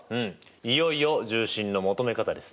いよいよ重心の求め方ですね。